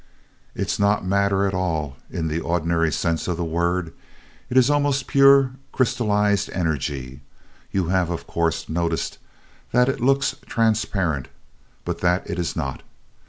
"It is not matter at all, in the ordinary sense of the word. It is almost pure crystallized energy. You have, of course, noticed that it looks transparent, but that it is not.